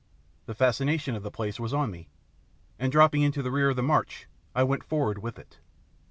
The fascination of the place was on me, and dropping into rear of the march, I went forward with it.